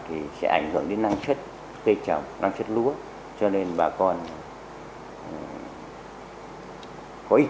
thì sẽ ảnh hưởng đến năng chất cây trồng năng chất lúa